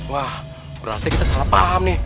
wah berarti kita salah paham nih